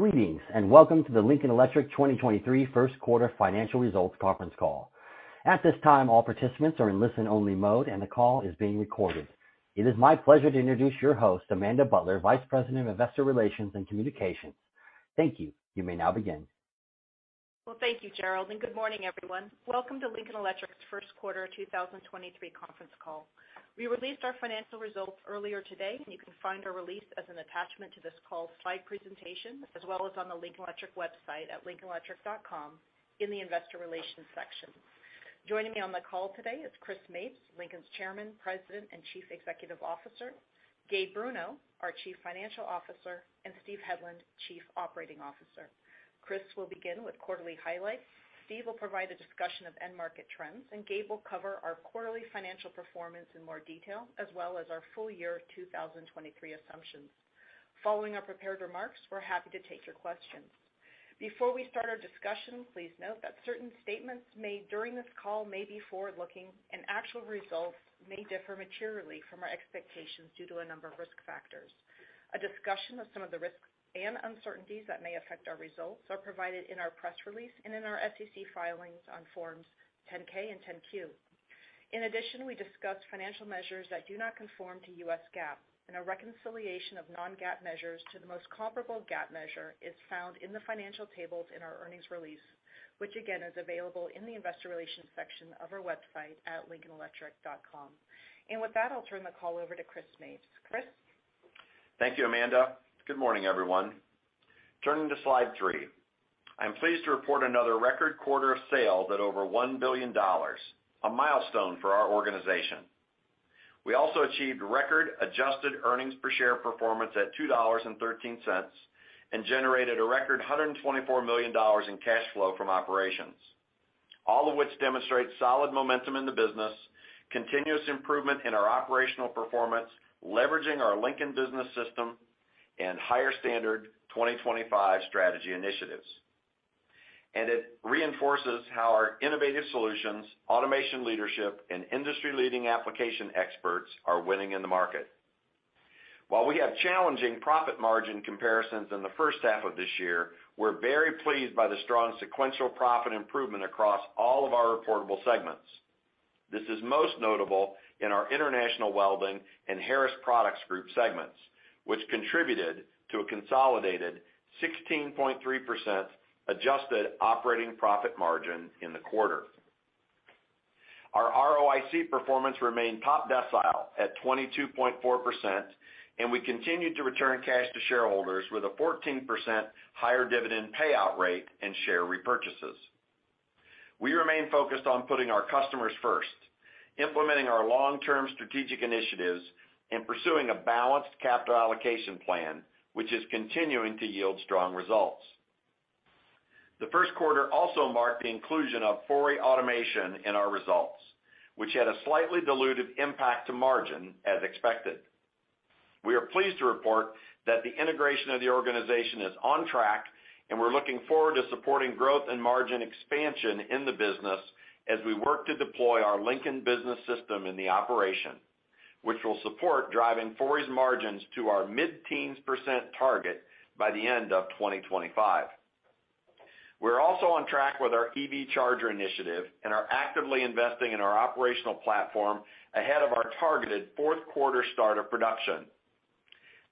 Greetings, and welcome to the Lincoln Electric 2023 Q1 financial results conference call. At this time, all participants are in listen-only mode, and the call is being recorded. It is my pleasure to introduce your host, Amanda Butler, Vice President of Investor Relations and Communications. Thank you. You may now begin. Well, thank you, Gerald, and good morning, everyone. Welcome to Lincoln Electric's Q1 2023 conference call. We released our financial results earlier today, and you can find our release as an attachment to this call slide presentation, as well as on the Lincoln Electric website at lincolnelectric.com in the Investor Relations section. Joining me on the call today is Chris Mapes, Lincoln's Chairman, President, and Chief Executive Officer, Gabe Bruno, our Chief Financial Officer, and Steve Hedlund, Chief Operating Officer. Chris will begin with quarterly highlights. Steve will provide a discussion of end market trends, and Gabe will cover our quarterly financial performance in more detail, as well as our full year 2023 assumptions. Following our prepared remarks, we're happy to take your questions. Before we start our discussion, please note that certain statements made during this call may be forward-looking, and actual results may differ materially from our expectations due to a number of risk factors. A discussion of some of the risks and uncertainties that may affect our results are provided in our press release and in our SEC filings on Forms 10-K and 10-Q. In addition, we discuss financial measures that do not conform to U.S. GAAP, and a reconciliation of non-GAAP measures to the most comparable GAAP measure is found in the financial tables in our earnings release, which again is available in the Investor Relations section of our website at lincolnelectric.com. With that, I'll turn the call over to Chris Mapes. Chris? Thank you, Amanda. Good morning, everyone. Turning to slide 3. I'm pleased to report another record quarter of sales at over $1 billion, a milestone for our organization. We also achieved record adjusted earnings per share performance at $2.13, and generated a record $124 million in cash flow from operations, all of which demonstrates solid momentum in the business, continuous improvement in our operational performance, leveraging our Lincoln Business System and Higher Standard 2025 strategy initiatives. It reinforces how our innovative solutions, automation leadership, and industry-leading application experts are winning in the market. While we have challenging profit margin comparisons in the H1 of this year, we're very pleased by the strong sequential profit improvement across all of our reportable segments. This is most notable in our International Welding and The Harris Products Group segments, which contributed to a consolidated 16.3% adjusted operating profit margin in the quarter. Our ROIC performance remained top decile at 22.4%, we continued to return cash to shareholders with a 14% higher dividend payout rate and share repurchases. We remain focused on putting our customers first, implementing our long-term strategic initiatives, and pursuing a balanced capital allocation plan, which is continuing to yield strong results. The Q1 also marked the inclusion of Fori Automation in our results, which had a slightly dilutive impact to margin as expected. We are pleased to report that the integration of the organization is on track. We're looking forward to supporting growth and margin expansion in the business as we work to deploy our Lincoln Business System in the operation, which will support driving Fori's margins to our mid-teens % target by the end of 2025. We're also on track with our EV charger initiative and are actively investing in our operational platform ahead of our targeted fourth quarter start of production.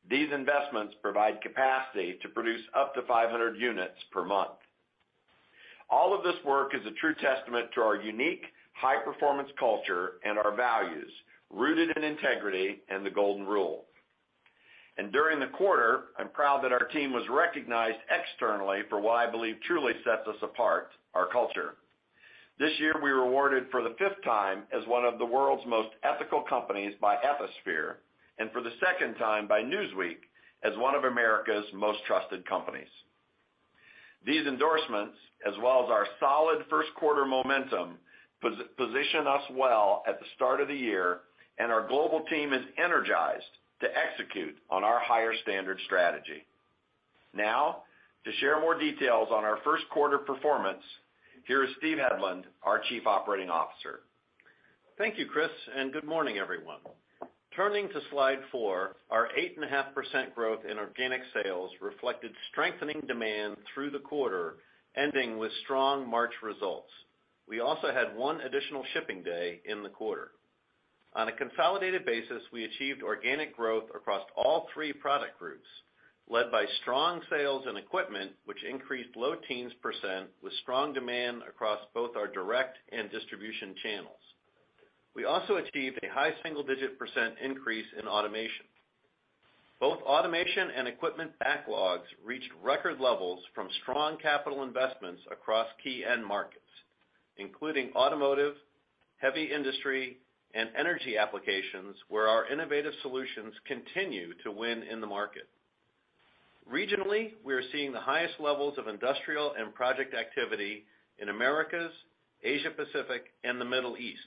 These investments provide capacity to produce up to 500 units per month. All of this work is a true testament to our unique high-performance culture and our values rooted in integrity and the golden rule. During the quarter, I'm proud that our team was recognized externally for what I believe truly sets us apart, our culture. This year, we were awarded for the fifth time as one of the world's most ethical companies by Ethisphere, and for the second time by Newsweek as one of America's most trusted companies. These endorsements, as well as our solid first quarter momentum, position us well at the start of the year, and our global team is energized to execute on our Higher Standard strategy. Now, to share more details on our first quarter performance, here is Steve Hedlund, our Chief Operating Officer. Thank you, Chris. Good morning, everyone. Turning to slide four, our 8.5% growth in organic sales reflected strengthening demand through the quarter, ending with strong March results. We also had one additional shipping day in the quarter. On a consolidated basis, we achieved organic growth across all three product groups, led by strong sales in equipment, which increased low teens % with strong demand across both our direct and distribution channels. We also achieved a high single-digit % increase in automation. Both automation and equipment backlogs reached record levels from strong capital investments across key end markets, including automotive, heavy industry, and energy applications, where our innovative solutions continue to win in the market. Regionally, we are seeing the highest levels of industrial and project activity in Americas, Asia Pacific, and the Middle East,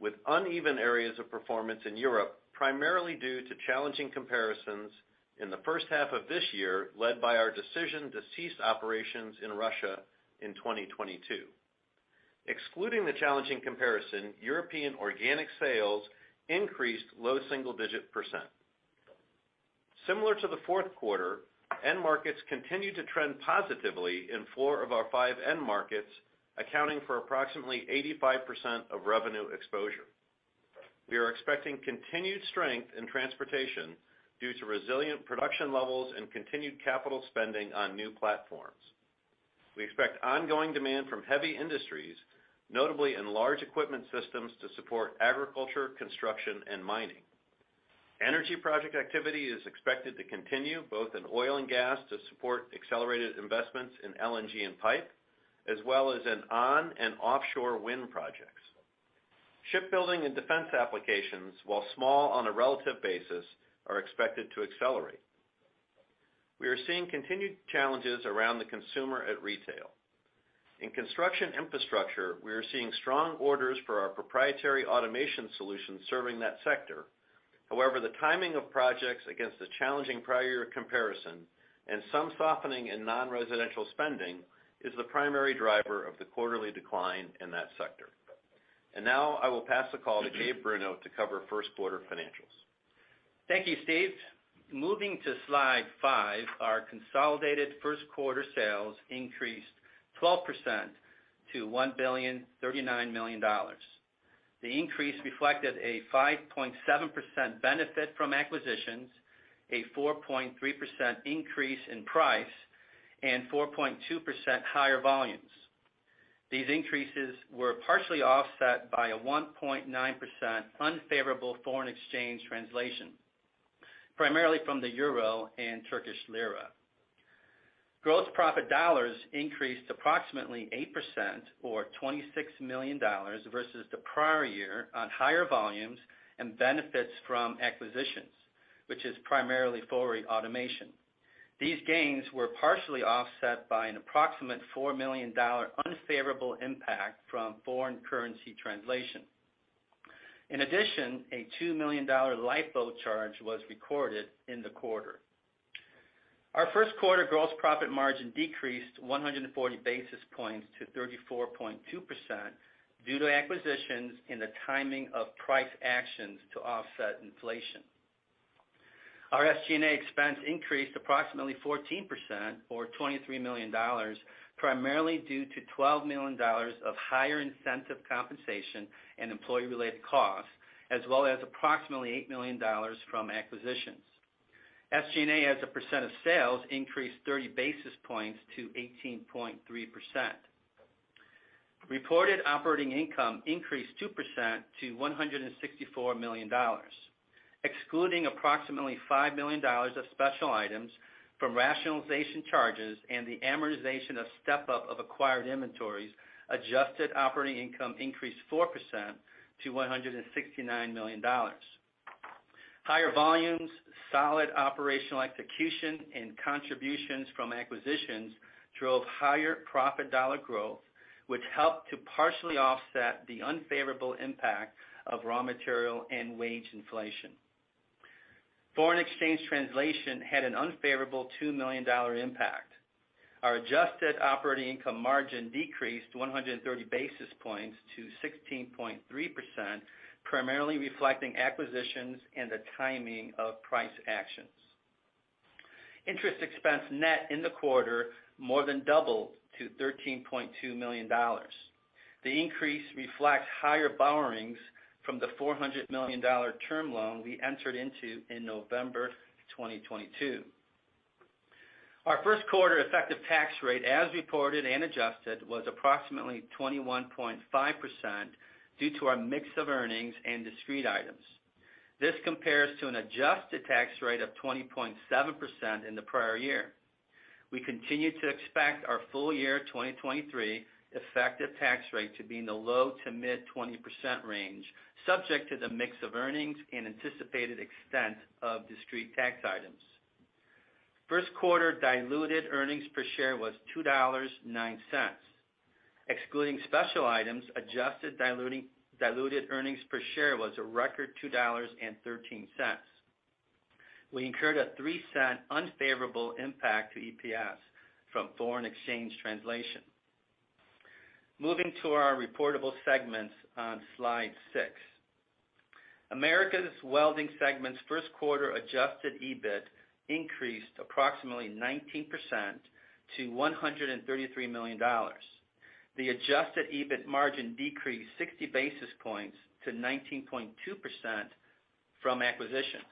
with uneven areas of performance in Europe, primarily due to challenging comparisons in the first half of this year, led by our decision to cease operations in Russia in 2022. Excluding the challenging comparison, European organic sales increased low single-digit %. Similar to the fourth quarter, end markets continued to trend positively in 4 of our 5 end markets, accounting for approximately 85% of revenue exposure. We are expecting continued strength in transportation due to resilient production levels and continued capital spending on new platforms. We expect ongoing demand from heavy industries, notably in large equipment systems to support agriculture, construction, and mining. Energy project activity is expected to continue both in oil and gas to support accelerated investments in LNG and pipe, as well as in on- and offshore wind projects. Shipbuilding and defense applications, while small on a relative basis, are expected to accelerate. We are seeing continued challenges around the consumer at retail. In construction infrastructure, we are seeing strong orders for our proprietary automation solutions serving that sector. However, the timing of projects against the challenging prior year comparison and some softening in non-residential spending is the primary driver of the quarterly decline in that sector. Now I will pass the call to Gabe Bruno to cover Q1 financials. Thank you, Steve. Moving to slide 5, our consolidated Q1 sales increased 12% to $1,039 million. The increase reflected a 5.7% benefit from acquisitions, a 4.3% increase in price, and 4.2% higher volumes. These increases were partially offset by a 1.9% unfavorable foreign exchange translation, primarily from the EUR and TRY. Gross profit dollars increased approximately 8% or $26 million versus the prior year on higher volumes and benefits from acquisitions, which is primarily Fori Automation. These gains were partially offset by an approximate $4 million unfavorable impact from foreign currency translation. In addition, a $2 million LIFO charge was recorded in the quarter. Our first quarter gross profit margin decreased 140 basis points to 34.2% due to acquisitions in the timing of price actions to offset inflation. Our SG&A expense increased approximately 14% or $23 million, primarily due to $12 million of higher incentive compensation and employee-related costs, as well as approximately $8 million from acquisitions. SG&A, as a percent of sales, increased 30 basis points to 18.3%. Reported operating income increased 2% to $164 million. Excluding approximately $5 million of special items from rationalization charges and the amortization of step-up of acquired inventories, adjusted operating income increased 4% to $169 million. Higher volumes, solid operational execution, and contributions from acquisitions drove higher profit dollar growth, which helped to partially offset the unfavorable impact of raw material and wage inflation. Foreign exchange translation had an unfavorable $2 million impact. Our adjusted operating income margin decreased 130 basis points to 16.3%, primarily reflecting acquisitions and the timing of price actions. Interest expense net in the quarter more than doubled to $13.2 million. The increase reflects higher borrowings from the $400 million term loan we entered into in November 2022. Our first quarter effective tax rate, as reported and adjusted, was approximately 21.5% due to our mix of earnings and discrete items. This compares to an adjusted tax rate of 20.7% in the prior year. We continue to expect our full year 2023 effective tax rate to be in the low to mid 20% range, subject to the mix of earnings and anticipated extent of discrete tax items.Q1 diluted earnings per share was $2.09. Excluding special items, adjusted diluted earnings per share was a record $2.13. We incurred a $0.03 unfavorable impact to EPS from foreign exchange translation. Moving to our reportable segments on slide 6. Americas Welding segment's Q1 adjusted EBIT increased approximately 19% to $133 million. The adjusted EBIT margin decreased 60 basis points to 19.2% from acquisitions.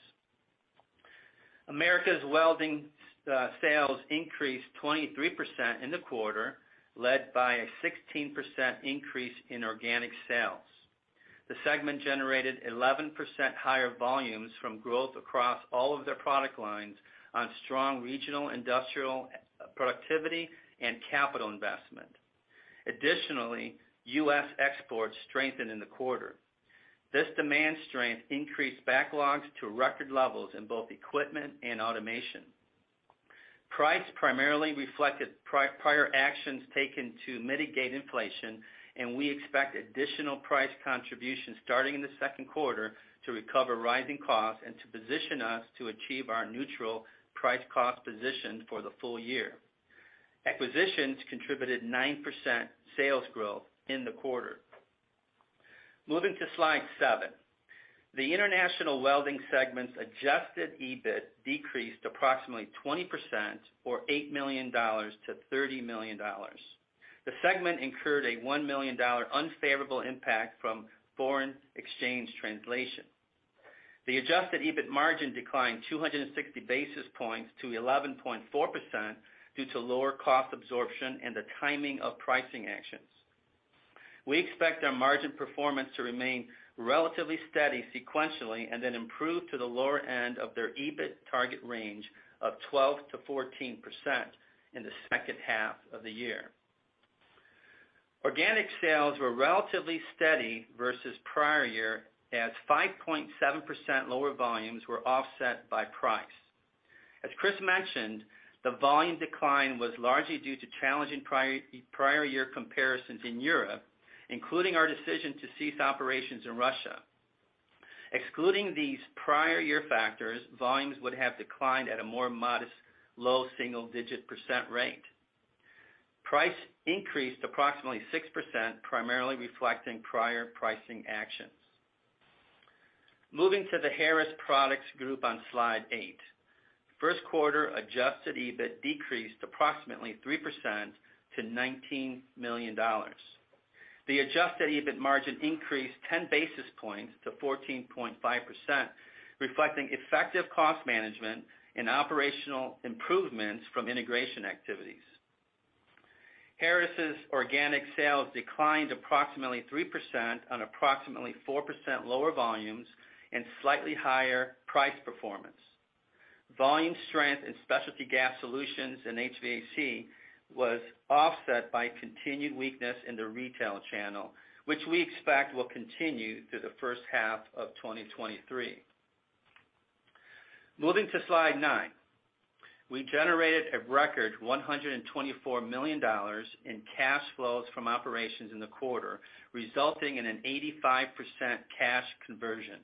Americas Welding sales increased 23% in the quarter, led by a 16% increase in organic sales. The segment generated 11% higher volumes from growth across all of their product lines on strong regional industrial productivity and capital investment. Additionally, U.S. exports strengthened in the quarter. This demand strength increased backlogs to record levels in both equipment and automation. Price primarily reflected prior actions taken to mitigate inflation, and we expect additional price contributions starting in the Q2 to recover rising costs and to position us to achieve our neutral price cost position for the full year. Acquisitions contributed 9% sales growth in the quarter. Moving to slide 7. The International Welding segment's adjusted EBIT decreased approximately 20% or $8 million to $30 million. The segment incurred a $1 million unfavorable impact from foreign exchange translation. The adjusted EBIT margin declined 260 basis points to 11.4% due to lower cost absorption and the timing of pricing actions. We expect our margin performance to remain relatively steady sequentially and then improve to the lower end of their EBIT target range of 12%-14% in the H2 of the year. Organic sales were relatively steady versus prior year as 5.7% lower volumes were offset by price. As Chris mentioned, the volume decline was largely due to challenging prior year comparisons in Europe, including our decision to cease operations in Russia. Excluding these prior year factors, volumes would have declined at a more modest low single-digit % rate. Price increased approximately 6%, primarily reflecting prior pricing actions. Moving to The Harris Products Group on slide 8. First quarter adjusted EBIT decreased approximately 3% to $19 million. The adjusted EBIT margin increased 10 basis points to 14.5%, reflecting effective cost management and operational improvements from integration activities. Harris' organic sales declined approximately 3% on approximately 4% lower volumes and slightly higher price performance. Volume strength in specialty gas solutions and HVAC was offset by continued weakness in the retail channel, which we expect will continue through the first half of 2023. Moving to slide 9. We generated a record $124 million in cash flows from operations in the quarter, resulting in an 85% cash conversion.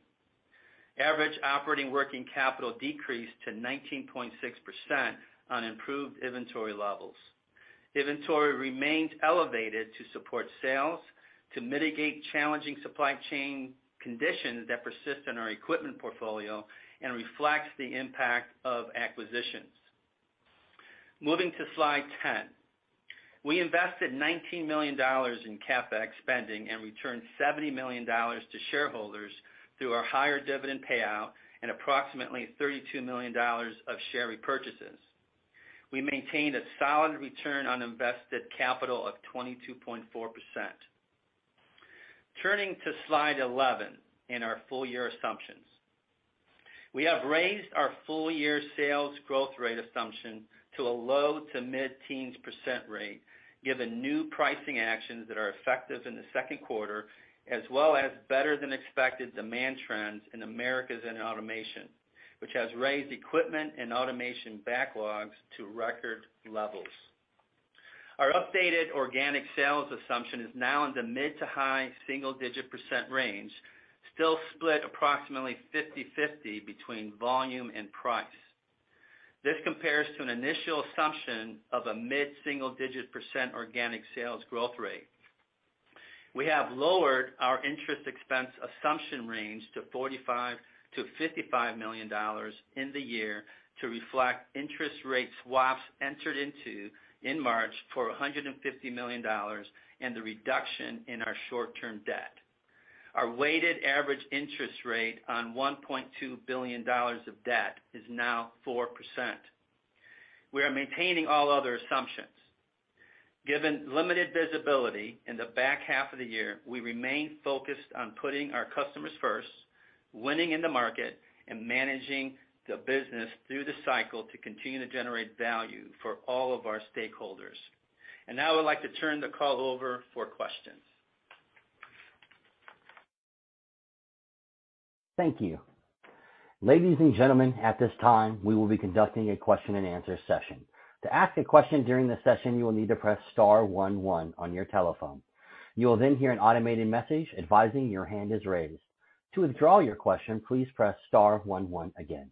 Average operating working capital decreased to 19.6% on improved inventory levels. Inventory remains elevated to support sales, to mitigate challenging supply chain conditions that persist in our equipment portfolio, and reflects the impact of acquisitions. Moving to slide 10. We invested $19 million in CapEx spending and returned $70 million to shareholders through our higher dividend payout and approximately $32 million of share repurchases. We maintained a solid return on invested capital of 22.4%. Turning to slide 11 in our full year assumptions. We have raised our full-year sales growth rate assumption to a low to mid-teens % rate, given new pricing actions that are effective in the second quarter, as well as better than expected demand trends in Americas and automation, which has raised equipment and automation backlogs to record levels. Our updated organic sales assumption is now in the mid to high single-digit % range, still split approximately 50/50 between volume and price. This compares to an initial assumption of a mid single-digit % organic sales growth rate. We have lowered our interest expense assumption range to $45 million-$55 million in the year to reflect interest rate swaps entered into in March for $150 million, and the reduction in our short-term debt. Our weighted average interest rate on $1.2 billion of debt is now 4%. We are maintaining all other assumptions. Given limited visibility in the back half of the year, we remain focused on putting our customers first, winning in the market, and managing the business through the cycle to continue to generate value for all of our stakeholders. Now I'd like to turn the call over for questions. Thank you. Ladies and gentlemen, at this time, we will be conducting a question and answer session. To ask a question during the session, you will need to press star one one on your telephone. You will hear an automated message advising your hand is raised. To withdraw your question, please press star one one again.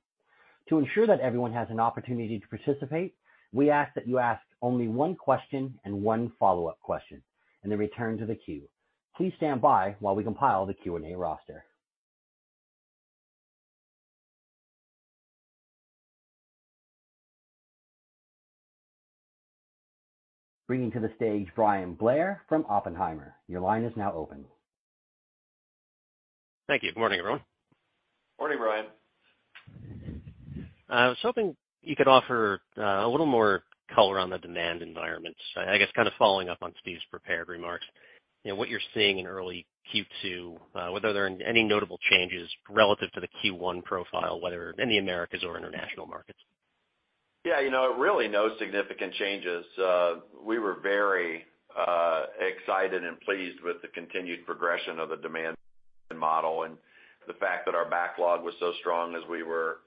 To ensure that everyone has an opportunity to participate, we ask that you ask only one question and one follow-up question, then return to the queue. Please stand by while we compile the Q&A roster. Bringing to the stage Bryan Blair from Oppenheimer. Your line is now open. Thank you. Good morning, everyone. Morning, Bryan. I was hoping you could offer, a little more color on the demand environment. I guess kind of following up on Steve's prepared remarks. You know, what you're seeing in early Q2, whether there are any notable changes relative to the Q1 profile, whether in the Americas or International markets? Yeah, you know, really no significant changes. We were very excited and pleased with the continued progression of the demand model, and the fact that our backlog was so strong as we were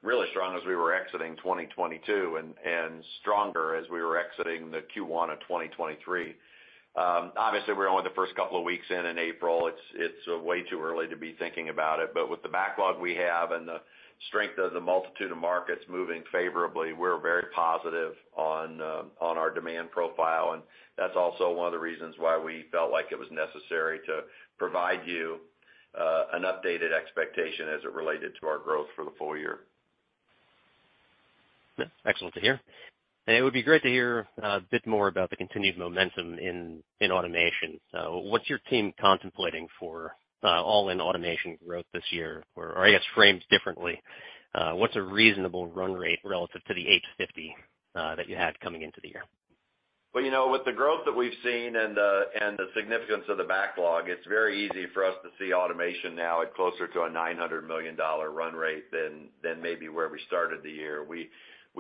exiting 2022, and stronger as we were exiting the Q1 of 2023. Obviously we're only the first couple of weeks in April. It's way too early Be thinking about it. With the backlog we have and the strength of the multitude of markets moving favorably, we're very positive on our demand profile. That's also one of the reasons why we felt like it was necessary to provide you an updated expectation as it related to our growth for the full year. Excellent to hear. It would be great to hear a bit more about the continued momentum in automation. What's your team contemplating for all-in automation growth this year? I guess framed differently, what's a reasonable run rate relative to the 850 that you had coming into the year? Well, you know, with the growth that we've seen and the significance of the backlog, it's very easy for us to see automation now at closer to a $900 million run rate than maybe where we started the year. We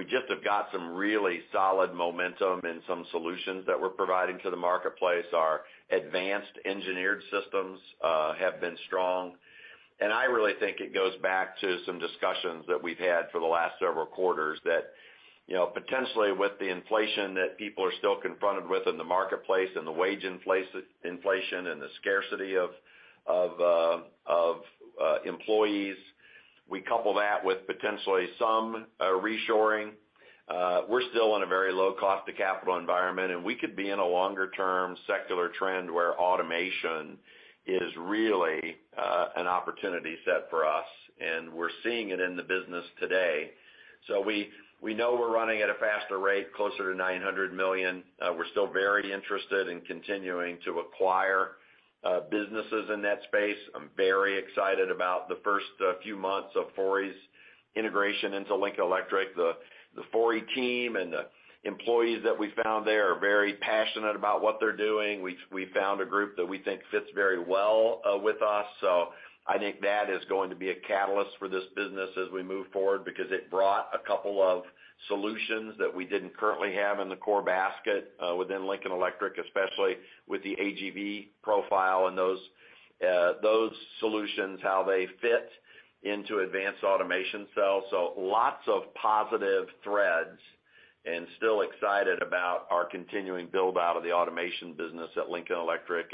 just have got some really solid momentum in some solutions that we're providing to the marketplace. Our advanced engineered systems have been strong. I really think it goes back to some discussions that we've had for the last several quarters that, you know, potentially with the inflation that people are still confronted with in the marketplace and the wage inflation and the scarcity of employees, we couple that with potentially some reshoring. We're still in a very low cost of capital environment, and we could be in a longer-term secular trend where automation is really an opportunity set for us, and we're seeing it in the business today. We know we're running at a faster rate, closer to $900 million. We're still very interested in continuing to acquire businesses in that space. I'm very excited about the first few months of Fori's integration into Lincoln Electric. The Fori team and the employees that we found there are very passionate about what they're doing. We found a group that we think fits very well with us. I think that is going to be a catalyst for this business as we move forward because it brought a couple of solutions that we didn't currently have in the core basket within Lincoln Electric, especially with the AGV profile and those solutions, how they fit into advanced automation cells. Lots of positive threads and still excited about our continuing build out of the automation business at Lincoln Electric.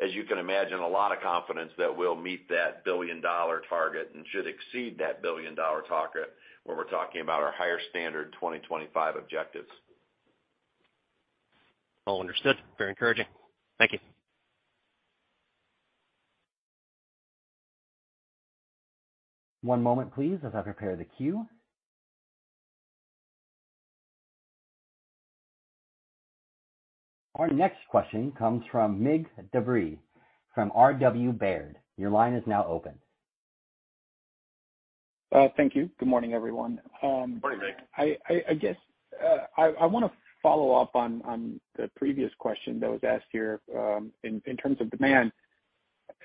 As you can imagine, a lot of confidence that we'll meet that billion-dollar target and should exceed that billion-dollar target when we're talking about our Higher Standard 2025 objectives. All understood. Very encouraging. Thank you. One moment, please, as I prepare the queue. Our next question comes from Mig Dobre from RW Baird. Your line is now open. Thank you. Good morning, everyone. Morning, Mig. I guess I wanna follow up on the previous question that was asked here, in terms of demand.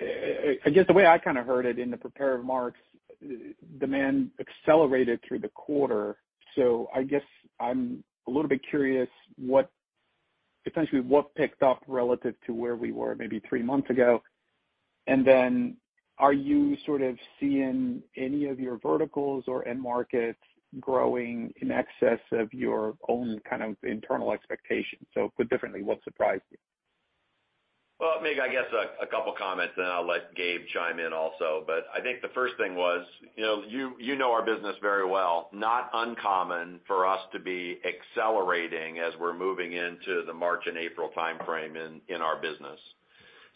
I guess the way I kinda heard it in the prepared remarks, demand accelerated through the quarter. I guess I'm a little bit curious essentially, what picked up relative to where we were maybe three months ago. Are you sort of seeing any of your verticals or end markets growing in excess of your own kind of internal expectations? Put differently, what surprised you? Mig, I guess a couple comments, and I'll let Gabe chime in also. I think the first thing was, you know, you know our business very well, not uncommon for us to be accelerating as we're moving into the March and April timeframe in our business.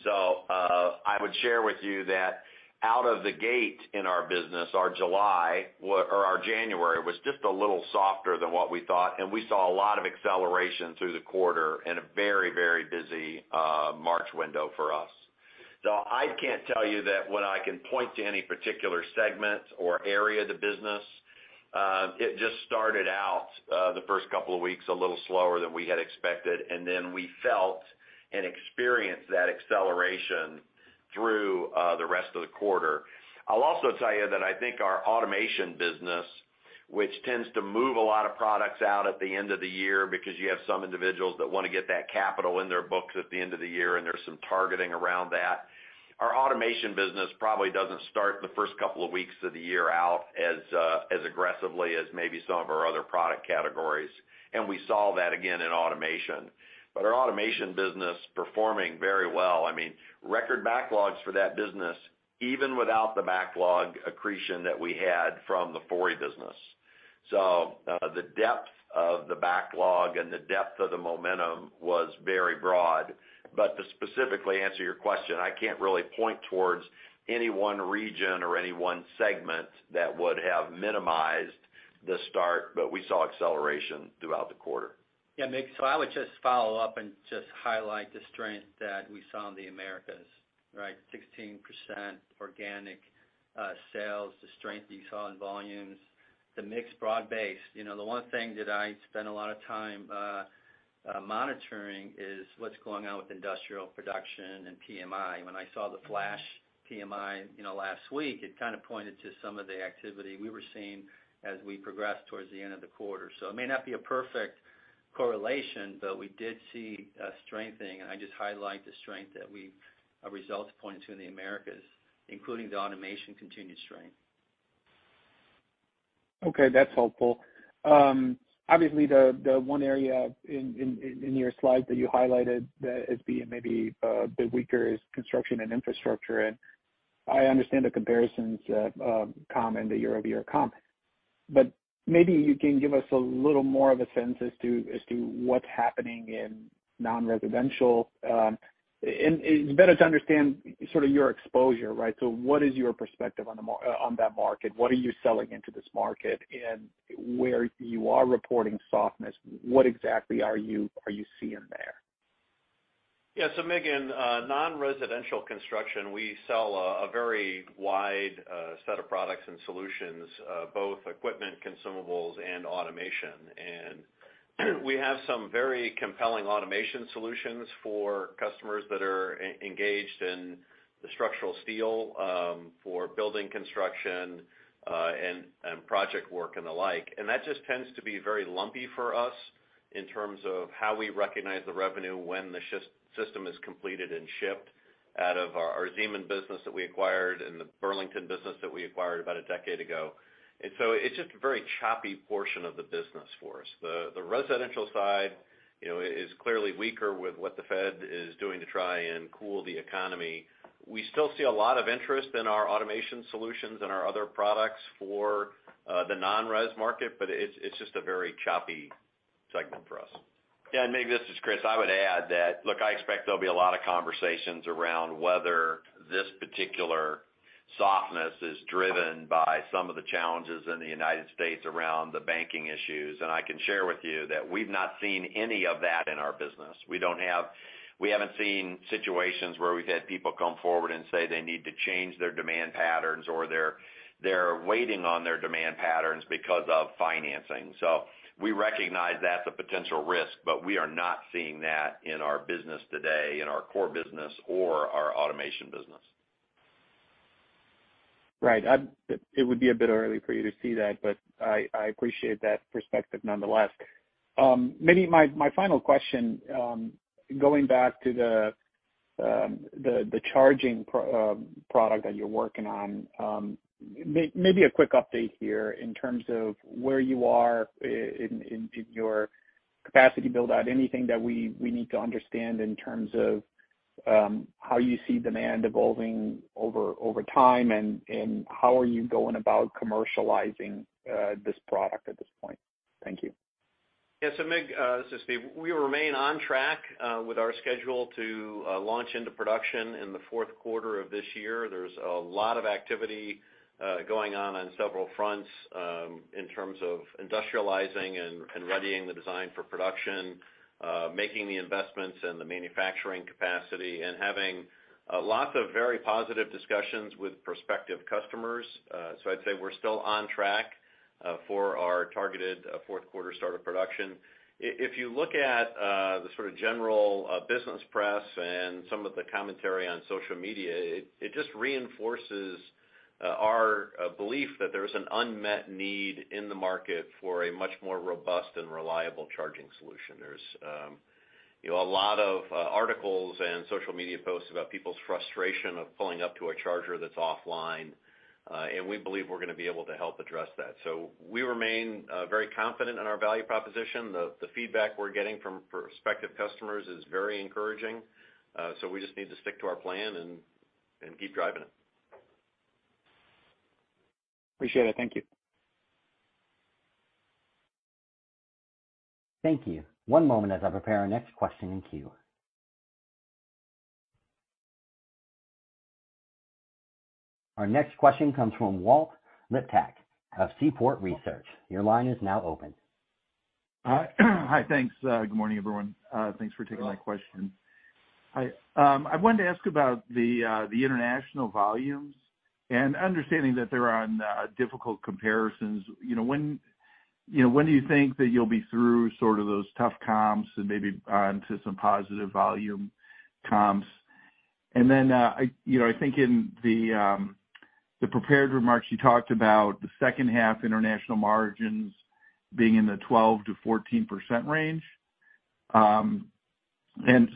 I would share with you that out of the gate in our business, our January was just a little softer than what we thought, and we saw a lot of acceleration through the quarter and a very, very busy March window for us. I can't tell you that when I can point to any particular segment or area of the business, it just started out, the first couple of weeks a little slower than we had expected, and then we felt and experienced that acceleration through, the rest of the quarter. I'll also tell you that I think our automation business, which tends to move a lot of products out at the end of the year because you have some individuals that wanna get that capital in their books at the end of the year, and there's some targeting around that. Our automation business probably doesn't start the first couple of weeks of the year out as aggressively as maybe some of our other product categories, and we saw that again in automation. Our automation business performing very well. I mean, record backlogs for that business, even without the backlog accretion that we had from the Fori business. The depth of the backlog and the depth of the momentum was very broad. To specifically answer your question, I can't really point towards any one region or any one segment that would have minimized the start, but we saw acceleration throughout the quarter. Yeah, Mig. I would just follow up and just highlight the strength that we saw in the Americas, right? 16% organic sales, the strength you saw in volumes, the mix broad base. You know, the one thing that I spent a lot of time monitoring is what's going on with industrial production and PMI. When I saw the flash PMI, you know, last week, it kinda pointed to some of the activity we were seeing as we progressed towards the end of the quarter. It may not be a perfect correlation, but we did see a strengthening, and I just highlight the strength that our results pointed to in the Americas, including the automation continued strength. Okay, that's helpful. Obviously the one area in your slides that you highlighted that as being maybe a bit weaker is construction and infrastructure. I understand the comparisons comp and the year-over-year comp. Maybe you can give us a little more of a sense as to what's happening in non-residential. It's better to understand sort of your exposure, right? What is your perspective on that market? What are you selling into this market? And where you are reporting softness, what exactly are you seeing there? Mig, in non-residential construction, we sell a very wide set of products and solutions, both equipment, consumables, and automation. We have some very compelling automation solutions for customers that are engaged in the structural steel for building construction, and project work and the like. That just tends to be very lumpy for us in terms of how we recognize the revenue when the system is completed and shipped out of our Zeman business that we acquired and the Burlington business that we acquired about a decade ago. It's just a very choppy portion of the business for us. The residential side, you know, is clearly weaker with what the Fed is doing to try and cool the economy. We still see a lot of interest in our automation solutions and our other products for the non-res market, but it's just a very choppy segment for us. Yeah. Mig, this is Chris. I would add that, look, I expect there'll be a lot of conversations around whether this particular softness is driven by some of the challenges in the United States around the banking issues. I can share with you that we've not seen any of that in our business. We haven't seen situations where we've had people come forward and say they need to change their demand patterns or they're waiting on their demand patterns because of financing. We recognize that's a potential risk, but we are not seeing that in our business today, in our core business or our automation business. Right. It would be a bit early for you to see that, but I appreciate that perspective nonetheless. Maybe my final question, going back to the charging product that you're working on, maybe a quick update here in terms of where you are in your capacity build out. Anything that we need to understand in terms of how you see demand evolving over time, and how are you going about commercializing this product at this point? Thank you. Yeah. Mig, this is Steve. We remain on track with our schedule to launch into production in the Q4 of this year. There's a lot of activity going on on several fronts in terms of industrializing and readying the design for production, making the investments and the manufacturing capacity, and having lots of very positive discussions with prospective customers. I'd say we're still on track for our targeted Q4 start of production. If you look at the sort of general business press and some of the commentary on social media, it just reinforces our belief that there's an unmet need in the market for a much more robust and reliable charging solution. There's, you know, a lot of articles and social media posts about people's frustration of pulling up to a charger that's offline, and we believe we're gonna be able to help address that. We remain very confident in our value proposition. The feedback we're getting from prospective customers is very encouraging. We just need to stick to our plan and keep driving it. Appreciate it. Thank you. Thank you. One moment as I prepare our next question in queue. Our next question comes from Walt Liptak of Seaport Research. Your line is now open. Hi. Thanks. Good morning, everyone. Thanks for taking my question. Hi, I wanted to ask about the international volumes, and understanding that they're on difficult comparisons. You know, when, you know, when do you think that you'll be through sort of those tough comps and maybe onto some positive volume comps? You know, I think in the prepared remarks, you talked about the H2 international margins being in the 12%-14% range.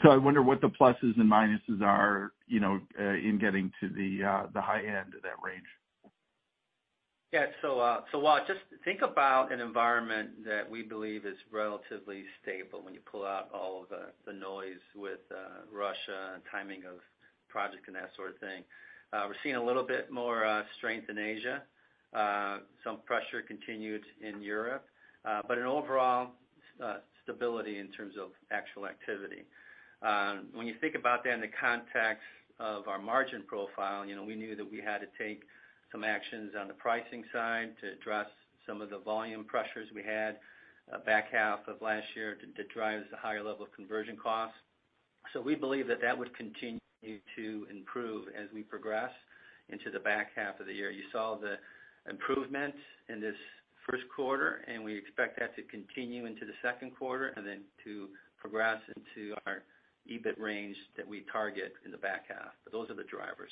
I wonder what the pluses and minuses are, you know, in getting to the high end of that range. Yeah. Walt, just think about an environment that we believe is relatively stable when you pull out all of the noise with Russia and timing of projects and that sort of thing. We're seeing a little bit more strength in Asia, some pressure continued in Europe, but an overall stability in terms of actual activity. When you think about that in the context of our margin profile, you know, we knew that we had to take some actions on the pricing side to address some of the volume pressures we had back half of last year to drive the higher level of conversion costs. We believe that that would continue to improve as we progress into the back half of the year. You saw the improvement in this first quarter. We expect that to continue into the second quarter and then to progress into our EBIT range that we target in the back half. Those are the drivers.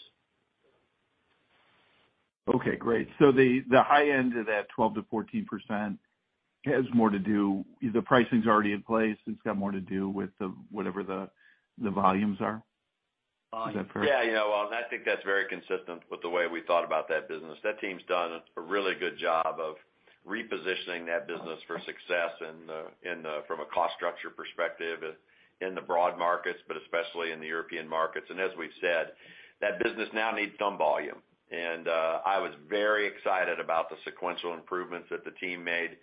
Okay, great. The high end of that 12%-14% has more to do. The pricing's already in place. It's got more to do with the whatever the volumes are? Yeah, you know, Walt, I think that's very consistent with the way we thought about that business. That team's done a really good job of repositioning that business for success in the from a cost structure perspective in the broad markets, but especially in the European markets. As we've said, that business now needs some volume. I was very excited about the sequential improvements that the team made.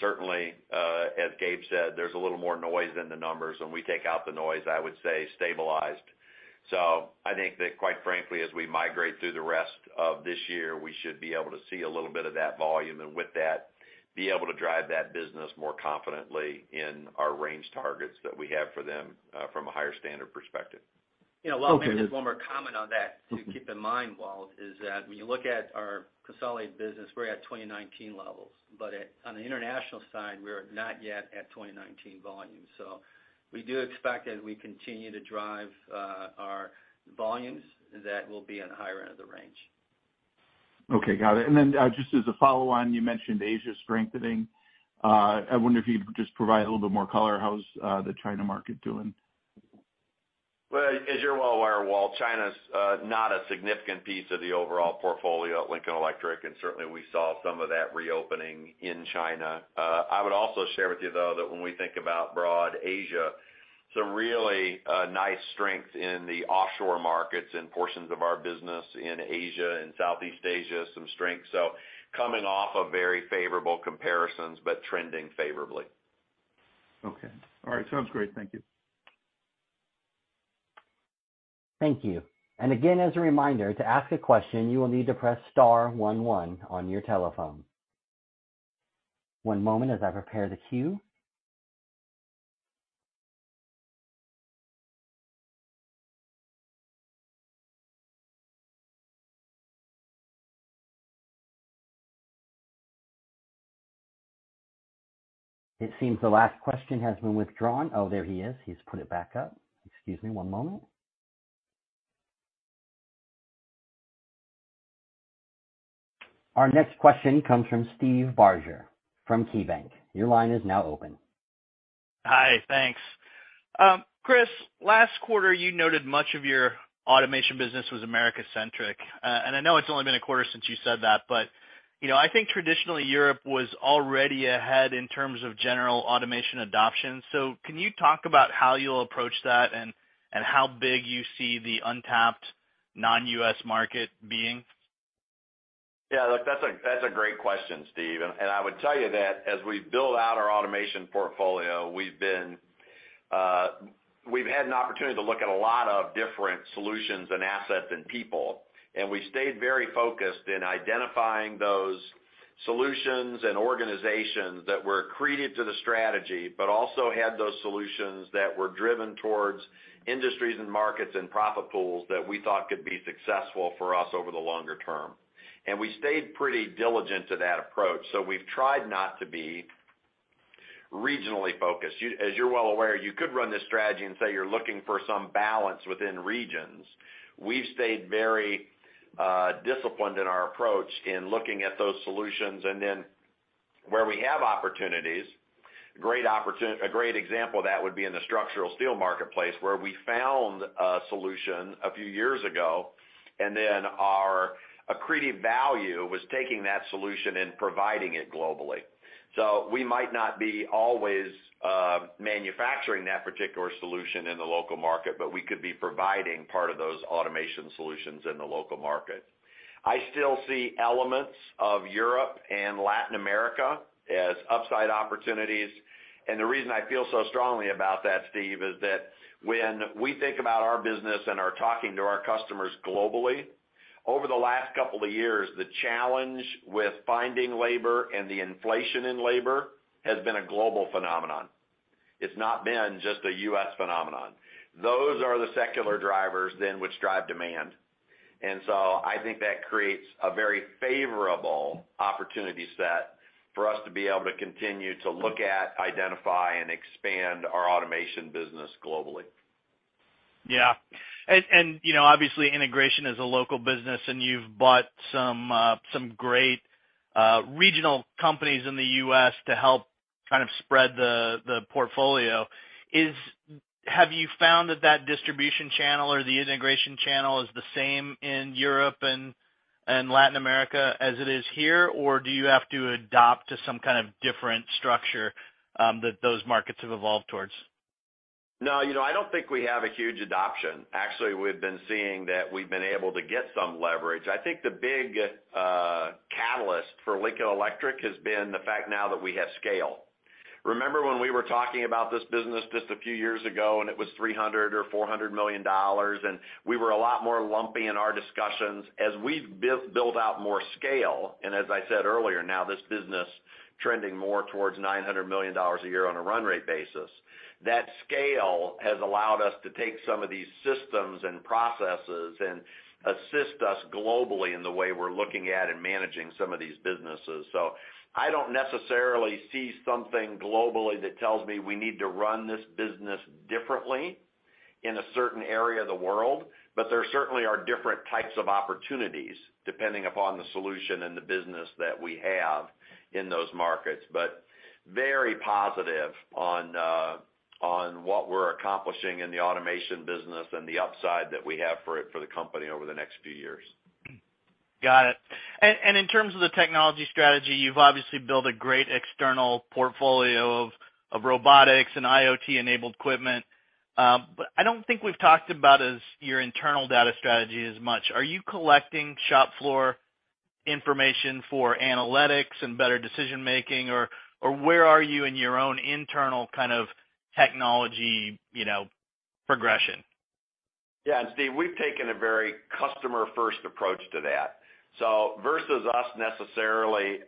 Certainly, as Gabe said, there's a little more noise in the numbers, when we take out the noise, I would say stabilized. I think that quite frankly, as we migrate through the rest of this year, we should be able to see a little bit of that volume, and with that, be able to drive that business more confidently in our range targets that we have for them, from a higher standard perspective. Yeah. Well, maybe just one more comment on that to keep in mind, Walt, is that when you look at our consolidated business, we're at 2019 levels, on the international side, we're not yet at 2019 volume. We do expect as we continue to drive our volumes, that we'll be on the higher end of the range. Okay, got it. Just as a follow on, you mentioned Asia strengthening. I wonder if you could just provide a little bit more color. How's the China market doing? Well, as you're well aware, Walt, China's not a significant piece of the overall portfolio at Lincoln Electric. Certainly we saw some of that reopening in China. I would also share with you, though, that when we think about broad Asia, some really nice strength in the offshore markets and portions of our business in Asia and Southeast Asia, some strength. Coming off of very favorable comparisons, but trending favorably. Okay. All right. Sounds great. Thank you. Thank you. Again, as a reminder, to ask a question, you will need to press star one one on your telephone. One moment as I prepare the queue. It seems the last question has been withdrawn. Oh, there he is. He's put it back up. Excuse me one moment. Our next question comes from Steve Barger from KeyBank. Your line is now open. Hi. Thanks. Chris, last quarter, you noted much of your automation business was America-centric. I know it's only been a quarter since you said that, but, you know, I think traditionally Europe was already ahead in terms of general automation adoption. Can you talk about how you'll approach that and how big you see the untapped non-U.S. market being? Yeah, look, that's a great question, Steve. I would tell you that as we build out our automation portfolio, we've been, we've had an opportunity to look at a lot of different solutions and assets and people, and we stayed very focused in identifying those solutions and organizations that were accretive to the strategy. Also had those solutions that were driven towards industries and markets and profit pools that we thought could be successful for us over the longer term. We stayed pretty diligent to that approach. We've tried not to be regionally focused. As you're well aware, you could run this strategy and say you're looking for some balance within regions. We've stayed very disciplined in our approach in looking at those solutions and then where we have opportunities, a great example of that would be in the structural steel marketplace, where we found a solution a few years ago, and then our accretive value was taking that solution and providing it globally. We might not be always manufacturing that particular solution in the local market, but we could be providing part of those automation solutions in the local market. I still see elements of Europe and Latin America as upside opportunities. The reason I feel so strongly about that, Steve, is that when we think about our business and are talking to our customers globally, over the last couple of years, the challenge with finding labor and the inflation in labor has been a global phenomenon. It's not been just a U.S. phenomenon. Those are the secular drivers then which drive demand. I think that creates a very favorable opportunity set for us to be able to continue to look at, identify, and expand our automation business globally. Yeah. You know, obviously integration is a local business, and you've bought some great regional companies in the U.S. to help kind of spread the portfolio. Have you found that that distribution channel or the integration channel is the same in Europe and Latin America as it is here? Do you have to adopt to some kind of different structure that those markets have evolved towards? You know, I don't think we have a huge adoption. Actually, we've been seeing that we've been able to get some leverage. I think the big catalyst for Lincoln Electric has been the fact now that we have scale. Remember when we were talking about this business just a few years ago, it was $300 million-$400 million, and we were a lot more lumpy in our discussions. As we've built out more scale, as I said earlier, now this business trending more towards $900 million a year on a run rate basis, that scale has allowed us to take some of these systems and processes and assist us globally in the way we're looking at and managing some of these businesses. I don't necessarily see something globally that tells me we need to run this business differently in a certain area of the world, but there certainly are different types of opportunities depending upon the solution and the business that we have in those markets. Very positive on what we're accomplishing in the automation business and the upside that we have for it, for the company over the next few years. Got it. In terms of the technology strategy, you've obviously built a great external portfolio of robotics and IoT-enabled equipment. But I don't think we've talked about your internal data strategy as much. Are you collecting shop floor information for analytics and better decision-making or where are you in your own internal kind of technology, you know, progression? Steve, we've taken a very customer-first approach to that. Versus us necessarily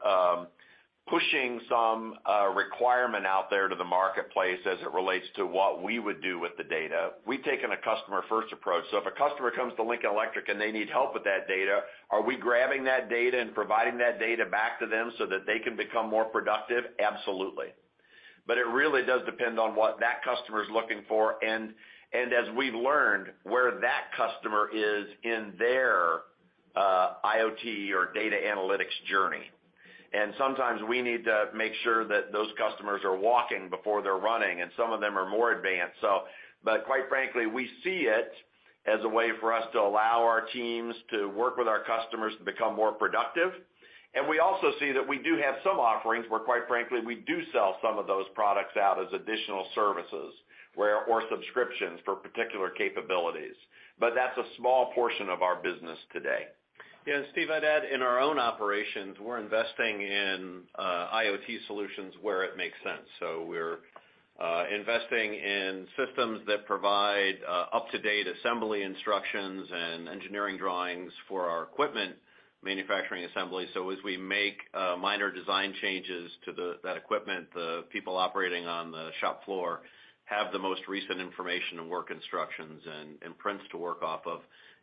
pushing some requirement out there to the marketplace as it relates to what we would do with the data, we've taken a customer-first approach. If a customer comes to Lincoln Electric and they need help with that data, are we grabbing that data and providing that data back to them so that they can become more productive? Absolutely. It really does depend on what that customer is looking for and, as we've learned, where that customer is in their IoT or data analytics journey. Sometimes we need to make sure that those customers are walking before they're running, and some of them are more advanced. But quite frankly, we see it as a way for us to allow our teams to work with our customers to become more productive. We also see that we do have some offerings where, quite frankly, we do sell some of those products out as additional services where or subscriptions for particular capabilities. That's a small portion of our business today. Yeah. Steve, I'd add, in our own operations, we're investing in IoT solutions where it makes sense. We're investing in systems that provide up-to-date assembly instructions and engineering drawings for our equipment manufacturing assembly. As we make minor design changes to that equipment, the people operating on the shop floor have the most recent information and work instructions and prints to work off of.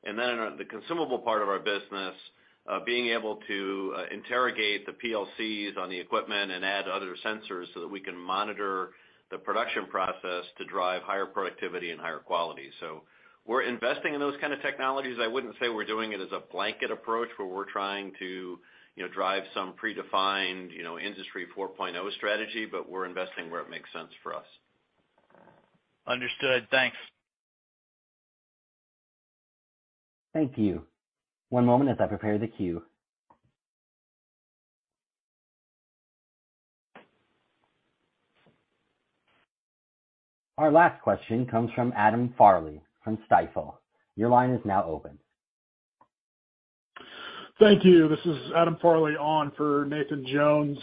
On the consumable part of our business, being able to interrogate the PLCs on the equipment and add other sensors so that we can monitor the production process to drive higher productivity and higher quality. We're investing in those kind of technologies. I wouldn't say we're doing it as a blanket approach where we're trying to, you know, drive some predefined, you know, Industry 4.0 strategy, but we're investing where it makes sense for us. Understood. Thanks. Thank you. One moment as I prepare the queue. Our last question comes from Adam Farley from Stifel. Your line is now open. Thank you. This is Adam Farley on for Nathan Jones.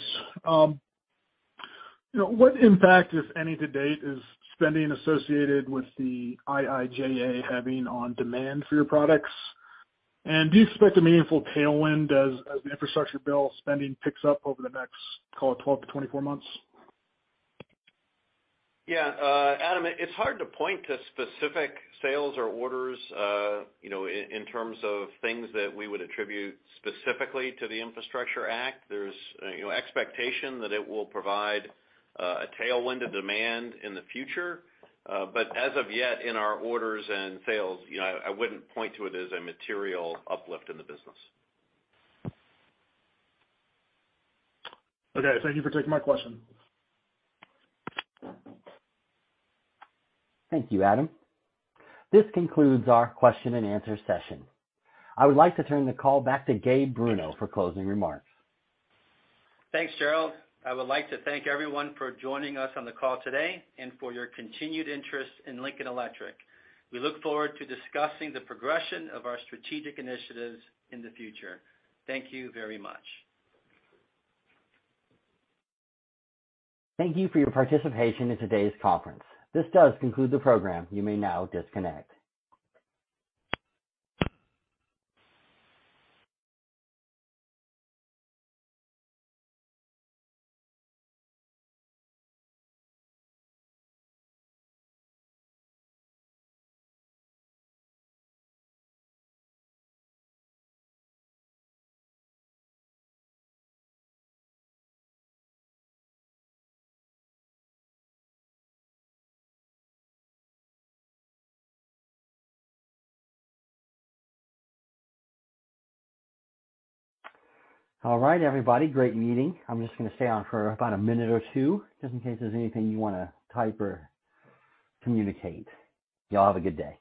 You know, what impact, if any, to date, is spending associated with the IIJA having on demand for your products? Do you expect a meaningful tailwind as the infrastructure bill spending picks up over the next, call it, 12 to 24 months? Yeah. Adam, it's hard to point to specific sales or orders, you know, in terms of things that we would attribute specifically to the Infrastructure Act. There's, you know, expectation that it will provide, a tailwind of demand in the future. As of yet, in our orders and sales, you know, I wouldn't point to it as a material uplift in the business. Okay. Thank you for taking my question. Thank you, Adam. This concludes our question and answer session. I would like to turn the call back to Gabe Bruno for closing remarks. Thanks, Gerald. I would like to thank everyone for joining us on the call today and for your continued interest in Lincoln Electric. We look forward to discussing the progression of our strategic initiatives in the future. Thank you very much. Thank you for your participation in today's conference. This does conclude the program. You may now disconnect. All right, everybody. Great meeting. I'm just gonna stay on for about a minute or two just in case there's anything you wanna type or communicate. Y'all have a good day. Bye.